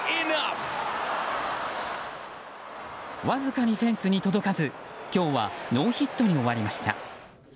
わずかにフェンスに届かず今日はノーヒットに終わりました。